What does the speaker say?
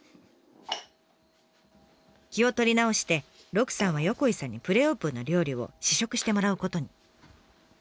気を取り直して鹿さんは横井さんにプレオープンの料理を試食してもらうことに。